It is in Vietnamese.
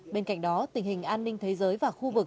bên cạnh đó tình hình an ninh thế giới và khu vực